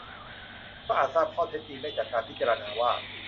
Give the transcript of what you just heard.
ก็อาจทราบข้อเท็จจริงได้จากการพิจารณาว่า